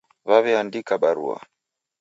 Waw'eandika barua